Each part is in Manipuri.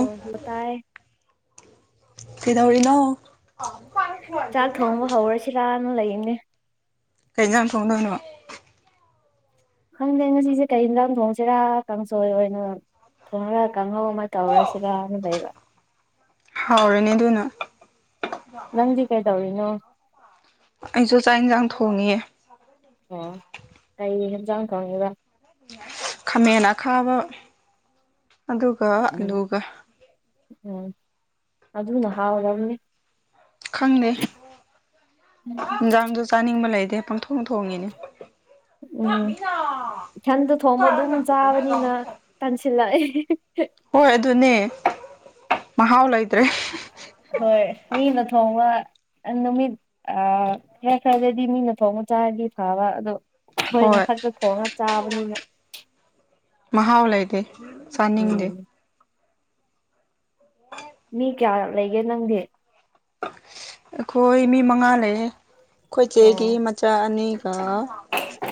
ꯑꫭꯇꯥꯏ ꯀꯩꯗꯧꯔꯤꯅꫭ ꯆꯥꯛ ꯊꯣꯡꯕ ꯍꯧꯔꯁꯤꯔꯅ ꯂꯩꯅꯦ ꯀꯩ ꯏꯟꯁꯥꯡ ꯊꯣꯡꯗꫭꯏꯅꯣ ꯈꯪꯗꯦ ꯉꯁꯤꯁꯦ ꯀꯩꯝ ꯂ ꯊꯣꯡꯁꯤꯔꯥ ꯀꯥꯡꯁꯣꯏ ꯑꯣꯏꯅ ꯊꯣꯡꯉꯒ ꯀꯥꯡꯍꯧ ꯑꯃ ꯇꯧꯔꯁꯤꯒ ꯑꯃ ꯂꯩꯕ ꯍꯥꯎꯔꯦꯅꯤ ꯑꯗꯨꯅ ꯅꯪꯗꯤ ꯀꯩꯗꯧꯔꯤꯅꯣ ꯑꯩꯁꯨ ꯆꯥꯛ ꯌꯦꯟꯁꯥꯡ ꯊꯣꯡꯉꯑ ꯑꯣ ꯀꯩ ꯍꯦꯟꯖꯥꯡ ꯈꯪꯉꯤꯕ ꯈꯥꯃꯦꯟ ꯑꯈꯥꯕ ꯑꯗꯨꯒ ꯎꯝ ꯑꯂꯨꯒ ꯎꯝ ꯑꯗꯨꯅ ꯍꯥꯎꯔꯝꯅꯤ ꯈꯪꯗꯦ ꯏꯟꯖꯥꯡꯁꯨ ꯆꯥꯅꯤꯡꯕ ꯂꯩꯇꯦ ꯄꯪꯊꯣꯡ ꯊꯣꯡꯉꯤꯅꯦ ꯎꯝ ꯏꯊꯟꯗ ꯊꯣꯡꯕ ꯑꯗꯨꯝ ꯆꯥꯕꯅꯤꯅ ꯇꯟꯁꯤꯜꯂꯛꯑ ꯍꯣꯏ ꯑꯗꯨꯅꯦ ꯃꯍꯥꯎ ꯂꯩꯇ꯭ꯔꯦ ꯍꯣꯏ ꯃꯤ ꯅ ꯊꯣꯡꯕ ꯅꯨꯃꯤꯠ ꯈꯔ ꯈꯔꯗꯗꯤ ꯃꯤꯅ ꯊꫭꯡꯕ ꯆꯥꯔꯗꯤ ꯐꯕ ꯑꯗꯣ ꯑꯩꯈꯣꯏꯅ ꯈꯛꯇ ꯊꯣꯡꯉꯒ ꯆꯥꯕꯅꯤꯅ ꯃꯍꯥꯎꯂꯩꯏꯦ ꯆꯥꯅꯤꯡꯗꯦ ꯎꯝ [unintelligible] ꯃꯤ ꯀꯌꯥ ꯂꯩꯒꯦ ꯅꯪꯗꯤ ꯑꯩꯈꯣꯏ ꯃꯤ ꯃꯉꯥ ꯂꯩ ꯑꯣ ꯑꯩꯈꫭꯏꯆꯦꯒꯤ ꯏꯆꯥ ꯑꯅꯤꯒ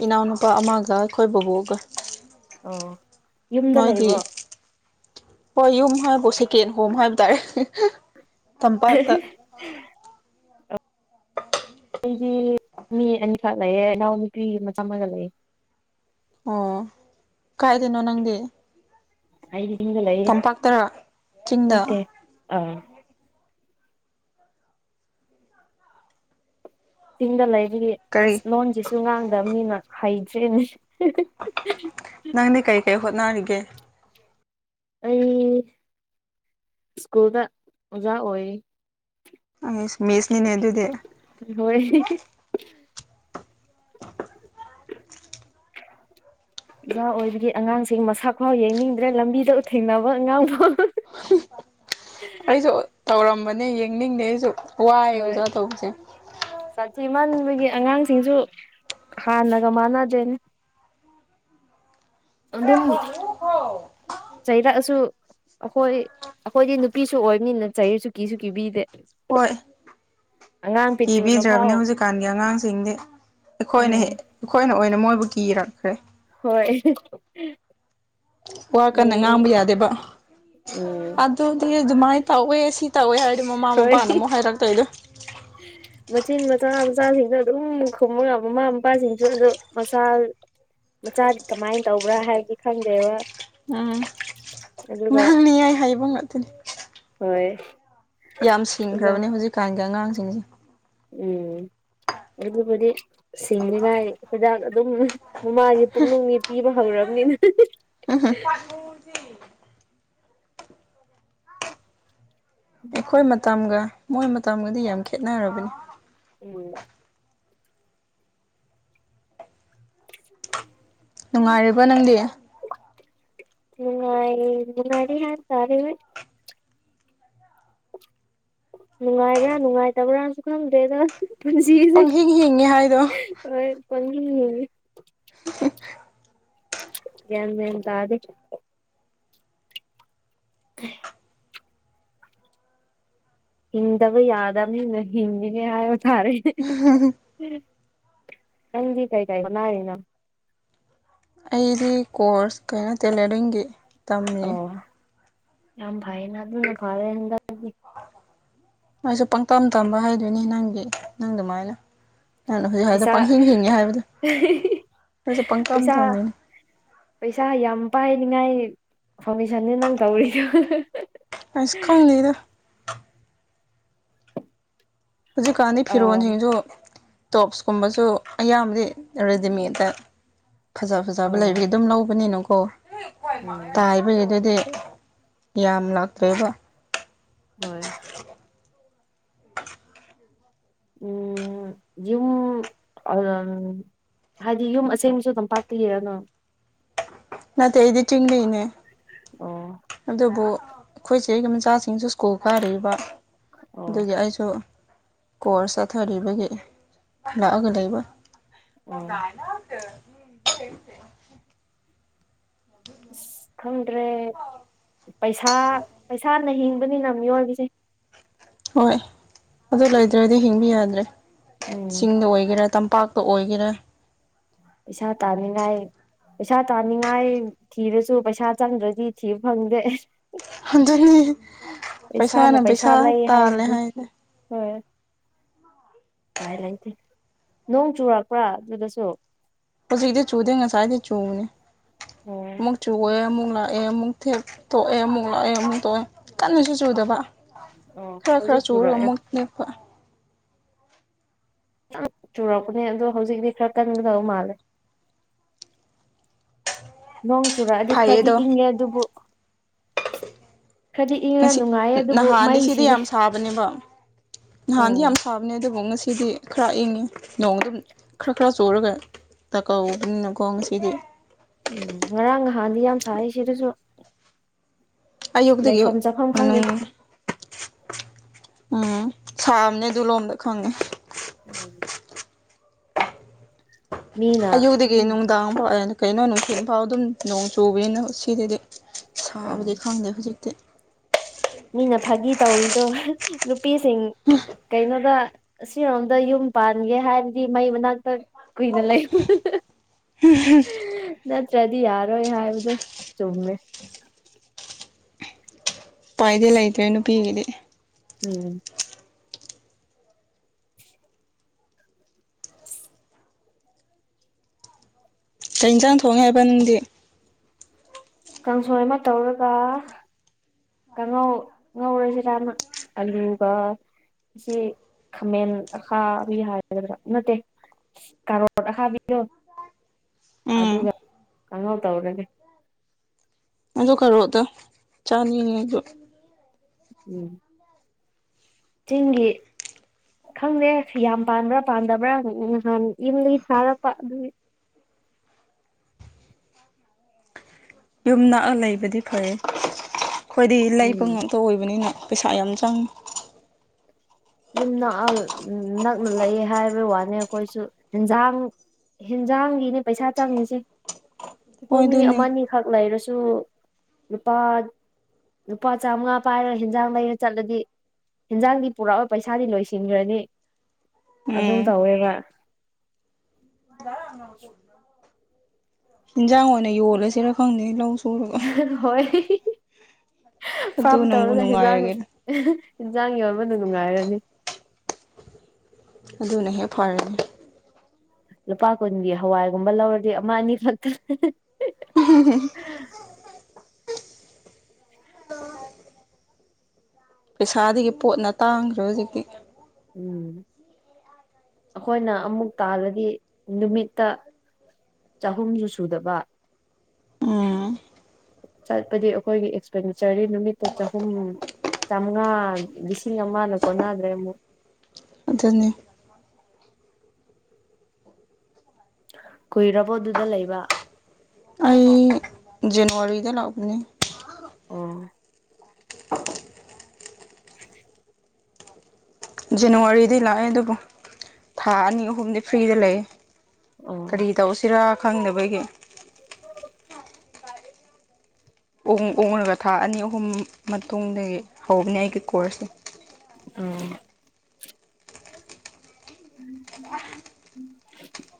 ꯏꯅꯥꯎꯅꯨꯄꯥ ꯑꯃꯒ ꯑꯩꯈꯣꯏ ꯕꯕꯣꯛꯒ ꯑꯣ ꯌꯨꯝꯗ ꯅꯣꯏꯗꯤ ꯂꯩꯕ꯭ꯔꯣ ꯍꯣꯏ ꯌꯨꯝ ꯍꯥꯏꯕꯨ ꯁꯦꯀꯦꯟ ꯍꯣꯝ ꯍꯥꯏꯕ ꯇꯥꯔꯦ꯫ ꯇꯝꯄꯥꯛꯇ [unintelligible] ꯑꯩꯗꯤ ꯃꯤ ꯑꯅꯤꯈꯛ ꯂꯩꯌꯦ ꯏꯅꯥꯎ ꯅꯨꯄꯤ ꯃꯆꯥꯥꯝꯃꯒ ꯂꯩꯑꯦ꯫ ꯑꯣ ꯀꯥꯏꯗꯅꯣ ꯅꯪꯗꯤ꯫ ꯑꯩꯗꯤ ꯆꯤꯡꯗ ꯂꯩꯌꯦ ꯇꯝꯄꯥꯛꯇꯔꯥ ꯆꯤꯡꯗ ꯅꯠꯇꯦ ꯑꯥ ꯆꯤꯡꯗ ꯂꯩꯕꯒꯤ ꯑꯁ ꯀꯔꯤ ꯂꯣꯟꯁꯤꯁꯨ ꯉꯥꯡꯗꯕ ꯃꯤꯅ ꯍꯩꯇ꯭꯭ꯔꯦꯅꯦ꯫ ꯅꯪꯗꯤ ꯀꯩ ꯀꯩ ꯍꯣꯠꯅꯔꯤꯒꯦ꯫ ꯑꯩ ꯁ꯭ꯀꯨꯜꯗ ꯑꯣꯖꯥ ꯑꯣꯏꯔꯤ꯫ ꯑꯩ ꯃꯤꯦꯁꯅꯤꯅꯦ ꯑꯗꯨꯗꯤ ꯍꯣꯏ [inaudible] ꯑꯣꯖꯥ ꯑꯣꯏꯕꯒꯤ ꯑꯉꯥꯡꯁꯤꯡ ꯃꯁꯥ ꯈꯥꯎ ꯌꯩꯅꯤꯡꯗ꯭ꯔꯦ ꯂꯝꯕꯤꯗ ꯊꯦꯡꯅꯕ ꯑꯉꯥꯡꯗꯥꯎ ꯫ ꯑꯩꯁꯨ ꯇꯧꯔꯝꯕꯅꯦ ꯌꯦꯡꯅꯤꯡꯅꯦ ꯑꯩꯁꯨ ꯋꯥꯏ ꯑꯣꯖꯥ ꯇꯧꯕꯁꯦ꯫ ꯆꯊꯤ ꯃꯟꯕꯒꯤ ꯑꯉꯥꯡꯁꯤꯡꯁꯨ ꯍꯥꯟꯅꯒ ꯃꯥꯟꯅꯗ꯭ꯔꯦꯅꯤ꯫ ꯑꯗꯨꯝ ꯆꯩꯔꯛꯑꯁꯨ ꯑꯩꯈꯣꯏ ꯑꯩꯈꯣꯏꯗꯤ ꯅꯨꯄꯤꯁꯨ ꯑꯣꯏꯕꯅꯤꯅ ꯆꯩꯔꯁꯨ ꯀꯤꯁꯨ ꯀꯤꯕꯤꯗꯦ꯫ ꯍꯣꯏ꯫ ꯑꯉꯥꯡ ꯄꯤꯛꯇ꯭ꯔꯨꯅ ꯀꯤꯕꯤꯗ꯭ꯔꯕꯅꯤ ꯐꯥꯎ ꯍꯧꯖꯤꯛꯀꯥꯟꯒꯤ ꯑꯉꯥꯡꯁꯤꯡꯗꯤ ꯑꯩꯈꯣꯏꯅ ꯍꯦꯛ ꯎꯝ ꯑꯩꯈꯣꯏꯅ ꯑꯣꯏꯅ ꯃꯣꯏꯕꯨ ꯀꯤꯔꯛꯈ꯭ꯔꯦ꯫ ꯍꯣꯏ ꯋꯥ ꯀꯟꯅ ꯎꯝ ꯉꯥꯡꯕ ꯌꯥꯗꯦꯕ ꯎꯝ ꯑꯗꯨꯗꯤ ꯑꯗꯨꯃꯥꯏꯅ ꯇꯧꯋꯦ ꯁꯤ꯫ ꯇꯧꯋꯦ ꯍꯥꯏꯔꯗꯤ ꯃꯃꯥ ꯍꯣꯏ ꯃꯄꯥꯅ ꯑꯃꯨꯛ ꯍꯥꯏꯔꯛꯇꯣꯏꯗꯣ [inaudible] ꯃꯆꯤꯟ ꯃꯆꯥ ꯃꯆꯥꯁꯤꯡꯗ ꯑꯗꯨꯝ ꯈꯣꯃꯒ ꯃꯃꯥ ꯃꯄꯥꯁꯤꯡꯁꯨ ꯑꯗꯨꯗꯣ ꯃꯆꯥ ꯃꯆꯥꯗꯤ ꯀꯃꯥꯏꯅ ꯇꯧꯕ꯭ꯔꯥ ꯍꯥꯏꯕꯗꯤ ꯈꯪꯗꯦꯕ ꯎꯝ ꯑꯗꯨꯒ ꯉꯥꯡꯅꯤꯉꯏ ꯍꯥꯏꯕ ꯉꯥꯛꯇꯅꯤ꯫ ꯍꯣꯏ ꯌꯥꯝ ꯑꯣꯖꯥ ꯁꯤꯡꯈ꯭ꯔꯕꯅꯦ ꯍꯧꯖꯤꯛꯀꯥꯟꯒꯤ ꯑꯉꯥꯡꯁꯤꯡꯁꯦ꯫ ꯎꯝ ꯑꯗꯨꯕꯨꯗꯤ ꯁꯤꯡꯂꯤꯉꯥꯏ ꯍꯤꯗꯥꯛ ꯑꯗꯨꯝ ꯃꯃꯥꯒꯤ ꯄꯨꯛꯅꯤꯡꯗꯤ ꯄꯤꯕ ꯍꯧꯔꯕꯅꯤꯅ [unintelligible] ꯑꯩꯈꯣꯏ ꯃꯇꯝꯒ ꯃꯣꯏ ꯃꯇꯝꯒꯗꯤ ꯌꯥꯝ ꯈꯦꯠꯅꯔꯕꯅꯤ꯫ ꯎꯝ ꯅꯨꯡꯉꯥꯏꯔꯤꯕꯣ ꯅꯪꯗꯤ꯫ ꯃꯅꯨꯡꯉꯥꯏ ꯃꯉꯔꯤ ꯍꯥꯏ ꯇꯔꯦ꯫ ꯅꯨꯡꯉꯥꯏꯕ꯭ꯔꯥ ꯅꯨꯡꯉꯥꯏꯇꯕ꯭ꯔꯥꯅꯁꯨ ꯈꯪꯗꯦꯗ ꯄꯨꯟꯁꯤꯁꯦ꯫ ꯄꯪꯍꯤꯡ ꯍꯤꯡꯉꯤ ꯍꯥꯏꯗꯣ ꯍꯣꯏ ꯄꯥꯍꯤꯡ ꯍꯤꯡ ꯑꯦ꯫ ꯌꯦꯟ ꯃꯦꯟ ꯇꯗꯤ꯫ ꯀꯩ ꯍꯤꯟꯗꯕꯨ ꯌꯥꯗ ꯑꯃꯅꯤ ꯍꯗꯤꯅꯦ ꯍꯥꯏꯕ ꯇꯔꯦ꯫ [unintelligible] ꯅꯥꯪꯗꯤ ꯀꯥꯏ ꯀꯥꯏ ꯍꯣꯠꯅꯔꯤꯅꯣ ꯫ ꯑꯩꯗꯤ ꯀꯣꯔꯁ ꯀꯩꯅꯣ ꯇꯦꯂꯦꯔꯤꯡꯒꯤ꯫ ꯑꯣ ꯌꯥꯝ ꯐꯥꯏꯅ ꯑꯗꯨꯅ ꯅ ꯐꯔ ꯍꯟꯗꯛ ꯃꯣꯏꯁꯨ ꯄꯪꯇꯝ ꯇꯝꯕ ꯍꯥꯏꯗꯣꯏꯅꯤ ꯅꯪꯒꯤ ꯅꯪ ꯑꯗꯨꯃꯥꯏꯅ ꯅꯅ ꯍꯧꯖꯤꯛ ꯍꯥꯏꯗꯣ ꯄꯩꯁꯥ ꯄꯪꯍꯤꯡ ꯍꯤꯡꯉꯦ ꯍꯥꯏꯕꯗꯣ ꯅꯁꯨ ꯄꯪꯇꯝ ꯄꯩꯁꯥ ꯇꯝꯃꯤꯅꯦ꯫ ꯄꯩꯁꯥ ꯌꯥꯝ ꯄꯥꯏꯅꯤꯉꯥꯏ ꯐꯥꯎꯟꯗꯦꯁꯟꯅꯅꯤꯦ ꯅꯪ ꯇꯧꯔꯤꯗꯨ꯫ ꯑꯁ ꯈꯪ ꯗꯦꯗ꯫ ꯍꯧꯖꯤꯛꯀꯥꯟꯗꯤ ꯑꯥ ꯐꯤꯔꯣꯟꯜꯁꯤꯡꯁꯨ ꯇꯣꯞꯁꯀꯨꯝꯕꯁꯨ ꯑꯌꯥꯝꯕꯗꯤ ꯔꯦꯗꯤꯃꯦꯠꯇ꯫ ꯐꯖ ꯐꯖꯕ ꯂꯩꯕꯒꯤ ꯑꯣ ꯑꯗꯨꯝ ꯂꯧꯕꯅꯤꯅꯀꯣ ꯎꯝ ꯇꯥꯏꯕꯒꯤꯗꯨꯗꯤ꯫ ꯌꯥꯝꯂꯥꯛꯇ꯭ꯔꯦꯕ꯫ ꯑꯣꯏ꯫ ꯎꯝ ꯌꯨꯝ ꯎꯔ [unintelligible] ꯍꯥꯏꯗꯤ ꯌꯨꯝ ꯑꯁꯦꯡꯕꯁꯨ ꯇꯝꯄꯥꯛꯇꯒꯤꯔꯥ ꯅꯪ꯫ ꯅꯠꯇꯦ ꯑꯩꯗꯤ ꯆꯤꯡꯗꯩ ꯅꯦ ꯑꯣ ꯑꯗꯨꯕꯨ꯫ ꯑꯩꯈꯣꯏ ꯆꯦꯒꯤ ꯃꯆꯥꯁꯤꯡꯁꯨ ꯁ꯭ꯀꯨꯜ ꯀꯥꯔꯤꯕ ꯑꯣ ꯑꯗꯨꯒꯤ ꯑꯩꯁꯨ꯫ ꯀꯣꯔꯁ ꯆꯠꯊꯔꯤꯕꯒꯤ ꯂꯥꯛꯑꯒ ꯂꯩꯕ꯫ ꯑꯣ [unintelligible] ꯑꯁ ꯈꯪꯗ꯭ꯔꯦ ꯄꯩꯁꯥ ꯄꯩꯁꯥꯅ ꯍꯤꯡꯕꯅꯤꯅ ꯃꯤꯑꯣꯏꯕꯁꯦ꯫ ꯍꯣꯏ ꯑꯗꯨ ꯂꯩꯗ꯭ꯔꯗꯤ ꯍꯤꯡꯕ ꯌꯥꯗ꯭ꯔꯦ ꯎꯝ ꯆꯤꯡꯗ ꯑꯣꯏꯒꯦꯔꯥ ꯇꯝꯄꯥꯛ꯫ ꯇꯥ ꯑꯣꯏꯒꯦꯔꯥ꯫ ꯄꯩꯁꯥ ꯇꯥꯅꯤꯡꯉꯥꯏ꯫ ꯄꯩꯁꯥ ꯇꯥꯅꯤꯡꯉꯥꯏ ꯊꯤꯔꯁꯨ ꯄꯩꯁꯥ ꯆꯪꯗ꯭ꯔꯗꯤ ꯊꯤꯕ ꯐꯪꯗꯦ꯫ ꯑꯗꯨꯅꯤ ꯄꯩꯁꯥꯅ ꯄꯩꯁꯥ ꯂꯩ ꯍꯥꯏꯕꯗꯨꯅꯤ꯫ ꯎꯝ ꯎꯄꯥꯏ ꯂꯩꯇꯦ ꯅꯣꯡ ꯆꯨꯔꯛꯄ꯭ꯔꯥ ꯑꯗꯨꯗꯁꯨ꯫ ꯍꯧꯖꯤꯛꯗꯤ ꯆꯨꯗꯦ ꯉꯁꯥꯏꯗꯤ ꯆꯨꯕꯅꯤ ꯑꯃꯨꯛ ꯆꯨꯑꯦ ꯑꯃꯨꯛ ꯂꯥꯛꯑꯦ ꯑꯃꯨꯛ꯫ ꯇꯣꯛꯑꯦ ꯑꯃꯨꯛ ꯂꯣꯛꯑꯦ ꯑꯃꯨꯛ ꯇꯣꯛꯑꯦ ꯀꯟꯅꯁꯨ ꯆꯨꯗꯕ꯫ ꯑꯣ ꯈꯔ ꯍꯧꯖꯤꯛ ꯈꯔ ꯆꯨꯔꯒ ꯆꯨꯔꯛꯑꯦ ꯑꯃꯨꯛ ꯂꯦꯞꯄ꯫ ꯌꯥꯝ ꯆꯨꯔꯛꯄꯅꯦ ꯑꯗꯨ ꯍꯧꯖꯤꯛꯇꯤ ꯈꯔ ꯀꯟꯒꯗꯕ ꯃꯥꯜꯂꯦ꯫ ꯅꯣꯡ ꯆꯨꯔꯛꯑꯗꯤ ꯐꯩꯌꯦ ꯈꯔꯗꯤ ꯑꯗꯣ ꯏꯪꯉꯦ ꯑꯗꯨꯕꯨ꯫ ꯈꯔꯗꯤ ꯏꯪꯉ ꯉꯁꯤ ꯅꯨꯡꯉꯥꯏ ꯑꯗꯨꯕꯨ ꯅꯍꯥꯟꯗꯤ ꯁꯤꯗꯤ ꯃꯩꯁꯤꯅꯤ꯫ ꯌꯥꯝ ꯁꯥꯕꯅꯦꯕ ꯅꯍꯥꯟꯗꯤ ꯑꯣ ꯌꯥꯝ ꯁꯥꯕꯅꯦ ꯑꯗꯨꯕꯨ ꯉꯁꯤꯗꯤ ꯈꯔ ꯏꯪꯉꯤ ꯅꯣꯡ ꯑꯗꯨꯝ ꯈꯔ ꯈꯔ ꯆꯨꯔꯒ꯫ ꯇꯀꯧꯕꯅꯤꯅꯀꯣ ꯉꯁꯤꯗꯤ꯫ ꯎꯝ ꯉꯥꯔꯥꯡ ꯍꯥꯟꯗꯤ ꯌꯥꯝ ꯁꯥꯏ ꯁꯤꯗꯁꯨ꯫ ꯑꯌꯨꯛꯇꯒꯤ ꯂꯩꯐꯝ ꯆꯥꯐꯝ ꯈꯪꯗꯦ ꯅꯨꯡ꯫ ꯎꯝ ꯁꯥꯝꯅꯦ ꯑꯗꯨꯂꯣꯝꯗ ꯈꯪꯉꯦ꯫ ꯀꯌꯥꯒꯤ꯫ ꯃꯤꯅ ꯑꯌꯨꯛꯛꯇꯗꯒꯤ ꯅꯨꯪꯗꯥꯡ ꯐꯥꯎ ꯑꯦ ꯀꯩꯅꯣ ꯅꯨꯡꯊꯤꯟꯐꯥꯎ ꯗꯨꯝ ꯅꯣꯡ ꯆꯨꯕꯅꯤꯅ ꯁꯤꯗꯗꯤ꯫ ꯁꯥꯕꯗꯤ ꯈꯪꯗꯦ ꯍꯧꯖꯤꯛꯇꯤ꯫ ꯃꯤꯅ ꯐꯥꯒꯤ ꯇꯧꯔꯤꯗꯣ ꯅꯨꯄꯤꯁꯤꯡ ꯀꯩꯅꯣꯗ꯫ ꯑꯁꯤꯔꯣꯝꯗ ꯌꯨꯝ ꯄꯥꯟꯒꯦ ꯍꯥꯏꯔꯗꯤ ꯃꯩ ꯃꯅꯥꯛꯇ ꯀꯨꯏꯅ ꯂꯩꯕ꯫ ꯍꯨꯝ꯫ ꯅꯠꯇ꯭ꯔꯗꯤ ꯌꯥꯔꯣꯏ ꯍꯥꯏꯕꯗꯨꯣ ꯆꯨꯝꯃꯦ꯫ ꯎꯄꯥꯏꯗꯤ ꯂꯩꯇ꯭ꯔꯦ ꯅꯨꯄꯤꯒꯤꯗꯤ꯫ ꯎꯝ꯫ ꯗꯤꯞ꯫ ꯀꯩ ꯌꯦꯟꯁꯥꯡ ꯊꯣꯡꯉꯦ ꯍꯥꯏꯕ ꯅꯪꯗꯤ꯫ ꯀꯥꯡꯁꯣꯏ ꯑꯃ ꯇꯧꯔꯒ꯫ ꯀꯥꯡꯉꯧ ꯉꯧꯔꯁꯤꯔꯅ ꯑꯂꯨꯒ꯫ ꯑꯁꯤ ꯈꯥꯃꯦꯟ ꯑꯈꯥꯕꯤ ꯍꯥꯏꯒꯗ꯭ꯔꯥ ꯅꯠꯇꯦ꯫ ꯀꯥꯔꯣꯠ ꯑꯈꯥꯕꯤꯗꯣ ꯎꯝ ꯑꯗꯨꯒ ꯀꯥꯡꯍꯧ ꯇꯧꯔꯒꯦ꯫ ꯑꯗꯨ ꯀꯔꯣꯠꯗꯨ ꯆꯥꯅꯤꯡꯉꯤꯗꯨ꯫ ꯎꯝ꯫ ꯆꯤꯡꯒꯤ꯫ ꯈꯪꯗꯦ ꯌꯥꯝ ꯄꯥꯟꯕ꯭ꯔꯥ ꯄꯥꯟꯗꯕ꯭ꯔꯥ ꯅꯍꯥꯟ ꯌꯨꯝꯗꯒꯤ ꯊꯥꯔꯛꯄ ꯑꯗꯨꯒꯤ꯫ ꯌꯨꯝ ꯅꯛꯑ ꯂꯩꯕꯗꯤ ꯐꯩꯑꯦ ꯑꯩꯈꯣꯏꯗꯤ ꯂꯩꯕ ꯎꯝ ꯉꯥꯝ꯫ ꯑꯣꯏꯕꯅꯤꯅ ꯄꯩꯁꯥ ꯌꯥꯝ ꯆꯪ꯫ ꯌꯨꯝ ꯅꯛꯑ ꯅꯛꯅ ꯂꯩꯌꯦ ꯍꯥꯏꯕꯩ ꯋꯥꯅꯤ ꯑꯩꯈꯣꯏꯁꯨ ꯌꯦꯟꯖꯥꯡ ꯍꯦꯟꯖꯥꯡꯒꯤꯅꯦ ꯄꯩꯁꯥ ꯆꯪꯉꯤꯁꯦ ꯑꯩꯈꯣꯏ ꯍꯣꯏ ꯃꯤ ꯑꯗꯨꯅꯤ ꯑꯃꯅꯤ ꯈꯛ ꯂꯩꯔꯁꯨ ꯂꯨꯄꯥ ꯂꯨꯄꯥ ꯆꯥꯝꯃꯉꯥ ꯄꯥꯏꯔ ꯍꯦꯟꯖꯥꯡ ꯂꯩꯔ ꯆꯠꯂꯗꯤ ꯍꯟꯖꯥꯡꯗꯤ ꯄꯨꯔꯛ ꯄꯩꯁꯥꯗꯤ ꯂꯣꯏꯁꯤꯟꯒꯔꯅꯤ ꯑꯗꯨꯝ ꯎꯝ ꯇꯧꯋꯦꯕ inaudible [inaudible] ꯏꯟꯖꯥꯡ ꯑꯣꯏꯅ ꯌꯣꯜꯂꯁꯤꯔ ꯈꯪꯗꯦ ꯂꯧ ꯁꯨꯔꯒ ꯍꯣꯏ ꯐꯥꯔꯝ ꯑꯗꯨꯅꯕꯨ ꯇꯧꯔꯒ ꯍꯦꯟꯁꯥꯡ ꯅꯨꯡꯉꯥꯏꯔꯒꯦꯔ ꯏꯟꯁꯥꯡ ꯌꯣꯟꯕꯗꯨ ꯅꯨꯡꯉꯥꯏꯔꯅꯤ ꯑꯗꯨꯅ ꯍꯦꯛ ꯐꯔꯅꯤ ꯂꯨꯄꯥ ꯀꯨꯟꯒꯤ ꯍꯋꯥꯏꯒꯨꯝꯕ ꯂꯧꯔꯗꯤ ꯑꯃ ꯑꯅꯤ ꯈꯛꯇ ꯍꯝ [inaudible] ꯑ [inaudible] ꯄꯩꯁꯥꯗꯒꯤ ꯄꯣꯠꯅ ꯇꯥꯡꯈ꯭ꯔꯦ ꯍꯧꯖꯤꯛꯇꯤ ꯎꯝ ꯑꯩꯈꯣꯏꯅ ꯑꯃꯨꯛ ꯇꯥꯜꯂꯗꯤ ꯅꯨꯃꯤꯠꯇ ꯆꯍꯨꯝꯁꯨ ꯁꯨꯗꯕ ꯎꯝ ꯆꯠꯄꯗꯤ ꯑꯩꯈꯣꯏꯒꯤ ꯑꯦꯛꯁꯄꯦꯟꯗꯤꯆꯔꯗꯤ ꯅꯨꯃꯤꯠꯇ ꯆꯍꯨꯝ ꯆꯝꯃꯉꯥ ꯂꯤꯁꯤꯡ ꯑꯃꯅ ꯀꯣꯟꯅꯗ꯭ꯔꯦ ꯑꯃꯨꯛ ꯑꯗꯨꯅꯤ ꯀꯨꯏꯔꯕꯣ ꯑꯗꯨꯗ ꯂꯩꯕ ꯑꯩ ꯖꯅꯋꯥꯔꯤꯗ ꯂꯥꯛꯄꯅꯦ ꯑꯣ [inaudible] ꯖꯅꯋꯥꯔꯤꯗꯩ ꯂꯥꯛꯑꯦ ꯑꯗꯨꯕꯨ ꯊꯥ ꯑꯅꯤ ꯑꯍꯨꯝꯗꯤ ꯐ꯭ꯔꯤꯗ ꯂꯩꯌꯦ ꯑꯣ ꯀꯔꯤ ꯇꯧꯁꯤꯔꯥ ꯈꯪꯗꯅꯕꯒꯤ ꯑꯣ ꯑꯣꯡꯂꯒ ꯊꯥ ꯑꯅꯤ ꯑꯍꯨꯝ ꯃꯇꯨꯡꯗꯒꯤ ꯍꯧꯕꯅꯦ ꯑꯩꯒꯤ ꯀꯣꯔꯁꯁꯦ ꯑꯣ ꯎꯝꯝ ꯎꯝ [inaudible]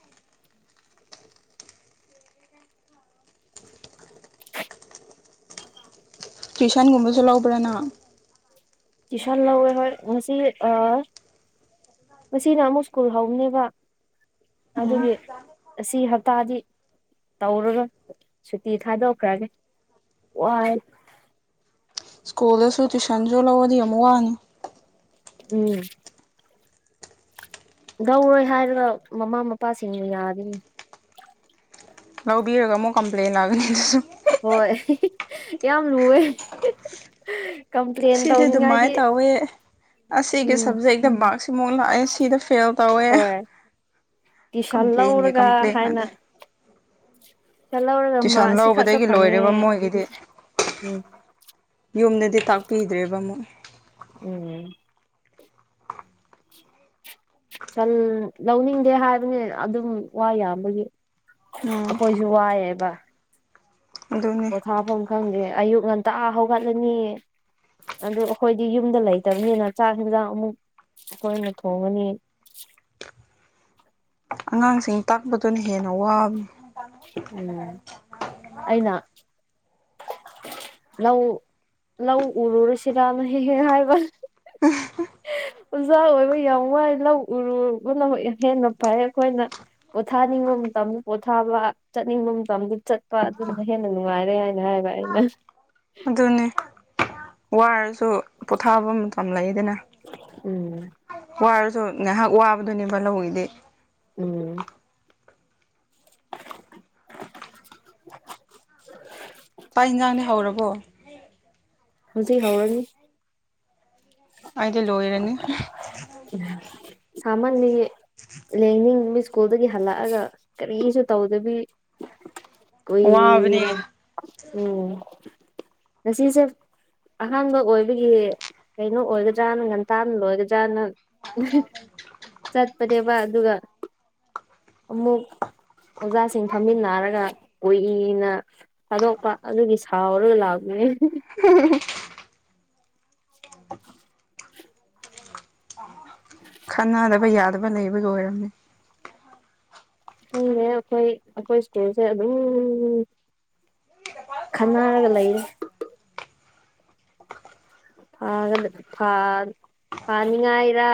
[inaudible] ꯇꯨꯏꯁꯟꯒꯨꯝꯕꯁꯨ ꯂꯧꯕ꯭ꯔꯥ ꯅꯪ ꯇꯌꯨꯁꯥꯟ ꯂꯧꯔꯔꯣꯢ ꯉꯁꯤ ꯑꯥ ꯃꯁꯤꯅ ꯑꯃꯨꯛ ꯁ꯭ꯀꯨꯜ ꯍꯧꯅꯦꯕ ꯎꯝ ꯑꯗꯨꯒꯤ ꯑꯁꯤ ꯍꯞꯇꯥꯗꯤ ꯇꯧꯔꯔꯣꯢ ꯁꯨꯇꯤ ꯊꯥꯗꯣꯛꯈ꯭ꯔꯅꯤ ꯋꯥꯏ ꯁ꯭ꯀꯨꯜꯗꯁꯨ ꯇꯨꯏꯁꯟꯁꯨ ꯂꯧꯔꯗꯤ ꯑꯃꯨꯛ ꯋꯥꯅꯤ ꯎꯝ ꯂꯧꯔꯣꯏ ꯍꯥꯏꯔꯒ ꯃꯃꯥ ꯃꯄꯥꯁꯤꯡꯅ ꯌꯥꯗꯦꯅꯦ ꯂꯧꯕꯤꯔꯒ ꯑꯃꯨꯛ ꯀꯝꯄ꯭ꯂꯦꯟ ꯂꯥꯛꯒꯅꯤ ꯑꯗꯨꯁꯨ ꯍꯣꯏ ꯌꯥꯝ ꯂꯨꯋꯦ ꯀꯝꯄꯔꯤꯟ ꯑꯁꯤꯗꯤ ꯑꯗꯨꯃꯥꯏꯅ ꯇꯧꯅꯤꯡꯉꯥꯢꯗꯤ ꯇꯧꯋꯦ ꯑꯁꯤꯒꯤ ꯁꯕꯖꯦꯛꯇ ꯃꯥꯛ ꯁꯤꯃꯨꯛ ꯂꯥꯛꯑꯦ ꯁꯤꯗ ꯐꯦꯜ ꯇꯧꯋꯦ ꯍꯣꯏ ꯇꯨꯏꯁꯟ ꯀꯝꯄ꯭ꯂꯦꯟꯒꯤ ꯂꯧꯔꯒ ꯀꯝꯄ꯭ꯂꯦꯟ ꯍꯥꯏꯅ ꯉꯥꯛꯇ ꯇꯨꯏꯁꯟ ꯂꯧꯔꯒ ꯃꯥꯛ ꯇꯨꯏꯁꯟ ꯑꯁꯤꯈꯛꯇ ꯂꯧꯕꯗꯒꯤ ꯐꯪꯉꯦ ꯂꯣꯏꯔꯦꯕ ꯃꯣꯏꯒꯤꯗꯤ ꯎꯝ ꯌꯨꯝꯗꯗꯤ ꯇꯥꯛꯄꯤꯗ꯭ꯔꯦꯕ ꯑꯃꯨꯛ ꯎꯝ ꯇꯟ ꯂꯧꯅꯤꯡꯗꯦ ꯍꯥꯏꯕꯅꯦ ꯑꯗꯨꯝ ꯋꯥ ꯌꯥꯝꯕꯒꯤ ꯎꯝ ꯑꯩꯈꯣꯏꯁꯨ ꯋꯥꯏꯑꯦꯕ ꯑꯗꯨꯅꯤ ꯄꯣꯊꯥꯐꯝ ꯈꯪꯗꯦ ꯑꯌꯨꯛ ꯉꯟꯇꯥ ꯍꯧꯒꯠꯂꯅꯤ ꯑꯗꯨ ꯑꯩꯈꯣꯏꯗꯤ ꯌꯨꯝꯗ ꯂꯩꯇꯕꯅꯤꯅ ꯆꯥꯛ ꯍꯟꯖꯥꯡ ꯑꯃꯨꯛ ꯑꯩꯈꯣꯏꯅ ꯊꯣꯡꯉꯅꯤ ꯑꯉꯥꯡꯁꯤꯡ ꯇꯥꯛꯄꯗꯨꯅ ꯍꯦꯟꯅ ꯋꯥꯕꯅꯦ ꯎꯝ ꯑꯩꯅ ꯂꯧ ꯂꯧ ꯎꯔꯨꯔꯁꯤꯔꯅ ꯍꯦꯛ ꯍꯦꯛ ꯍꯥꯏꯕ ꯎ ꯑꯣꯖꯥ ꯑꯣꯏꯕ ꯌꯥꯝ ꯋꯥꯏ ꯂꯧ ꯎꯔꯨꯕꯅ ꯍꯦꯟꯅ ꯐꯩ ꯑꯩꯈꯣꯏꯅ ꯄꯣꯊꯥꯅꯤꯡꯕ ꯃꯇꯝꯗ ꯄꯣꯊꯥꯕ ꯆꯠꯅꯤꯡꯕ ꯃꯇꯝꯗ ꯆꯠꯄ ꯑꯗꯨꯗꯨꯅ ꯍꯦꯟꯅ ꯅꯨꯡꯉꯥꯏꯔꯦ ꯍꯥꯏꯅ ꯍꯥꯏꯕ ꯑꯩꯅ ꯑꯗꯨꯅꯤ ꯋꯥꯔꯁꯨ ꯄꯣꯊꯥꯕ ꯃꯇꯝ ꯂꯩꯗꯅ ꯎꯝ ꯋꯥꯔꯁꯨ ꯉꯥꯏꯍꯥꯛ ꯋꯥꯕꯗꯨꯅꯦꯕ ꯂꯧꯒꯤꯗꯤ ꯎꯝ ꯄꯥꯛ ꯏꯟꯖꯥꯡꯅꯦ ꯍꯧꯔꯕꯣ ꯍꯧꯖꯤꯛ ꯍꯧꯔꯅꯤ ꯑꯩꯗꯤ ꯂꯣꯏꯔꯅꯤ ꯁꯃꯅ ꯂꯦꯡꯅꯤꯡꯕ ꯁ꯭ꯀꯨꯜꯗꯒꯤ ꯍꯜꯂꯛꯑꯒ ꯀꯔꯤꯁꯨ ꯇꯧꯗꯕꯤ ꯀꯣꯏ ꯋꯥꯕꯅꯦ ꯎꯝ ꯅꯁꯤꯁꯦ ꯑꯍꯥꯟꯕ ꯑꯣꯏꯕꯒꯤ ꯀꯩꯅꯣ ꯑꯣꯏꯒꯗ꯭ꯔꯥꯅ ꯉꯒꯟꯇꯥ ꯂꯣꯏꯒꯗ꯭ꯔꯥꯅ ꯆꯠꯄꯅꯦꯕ ꯑꯗꯨꯒ ꯑꯃꯨꯛ ꯑꯣꯖꯥꯁꯤꯡ ꯐꯝꯃꯤꯟꯟꯅꯅꯥꯔꯒ ꯀꯏꯅ ꯊꯥꯗꯣꯛꯄ ꯑꯗꯨꯒꯤ ꯁꯥꯎꯔꯒ ꯂꯥꯛꯄꯅꯦ ꯎꯝ [inaudible] ꯈꯅꯗꯕ ꯌꯥꯗꯕ ꯂꯩꯕꯒꯤ ꯑꯣꯏꯔꯝꯃꯤ ꯈꯪꯔꯦ ꯑꯩꯈꯣꯏ ꯑꯩꯈꯣꯏ ꯏꯁꯇꯦꯖꯁꯦ ꯑꯗꯨꯝ ꯈꯟꯅꯔꯒ ꯂꯩꯔꯦ ꯐꯦ ꯐ ꯐꯥꯅꯤꯡꯉꯥꯏꯔ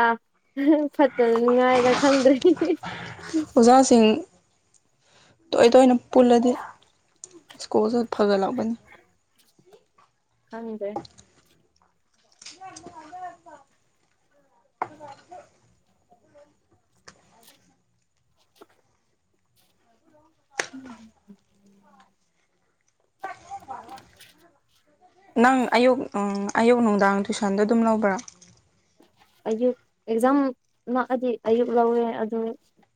ꯐꯠꯇꯅꯤꯉꯥꯏꯔ ꯈꯪꯗ꯭ꯔꯦ ꯑꯣꯖꯥꯁꯤꯡ ꯇꯣꯏ ꯇꯣꯏꯅ ꯄꯨꯜꯂꯗꯤ ꯁꯀꯨꯜꯁꯨ ꯐꯒꯠꯂꯛꯄꯅꯤ ꯍꯗꯦ [inaudible] ꯎꯝ ꯅꯪ ꯑꯌꯨꯛ ꯑꯌꯨꯛ ꯅꯨꯡꯗꯥꯡ ꯇꯨꯏꯁꯟꯗꯣ ꯑꯗꯨꯝ ꯂꯧꯕ꯭ꯔꯥ ꯑꯌꯨꯛ ꯑꯦꯛꯖꯥꯝ ꯂꯥꯛꯑꯗꯤ ꯑꯌꯨꯛ ꯂꯧꯋꯦ ꯑꯗꯨ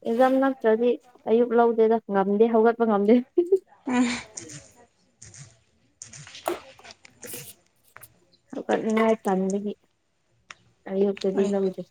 ꯑꯦꯛꯖꯝ ꯅꯠꯇ꯭ꯔꯗꯤ ꯑꯌꯨꯛ ꯂꯧꯗꯦꯗ ꯉꯝꯗꯦ ꯍꯧꯒꯠꯄ ꯉꯝꯗꯦ ꯎꯝ ꯉꯥꯏ ꯆꯥꯟꯒꯤ ꯑꯛꯇꯗꯤ ꯑꯩ ꯂꯧꯖꯦ